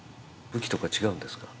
武器とか違うんですか